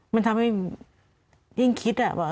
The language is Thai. มันทำให้ยิ่งคิดว่า